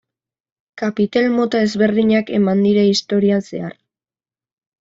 Kapitel mota ezberdinak eman dira historian zehar.